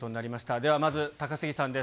ではまず、高杉さんです。